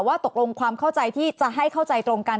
ว่าตกลงความเข้าใจที่จะให้เข้าใจตรงกัน